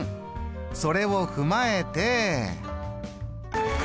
それを踏まえて。